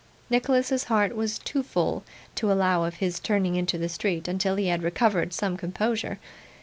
Nicholas's heart was too full to allow of his turning into the street until he had recovered some composure.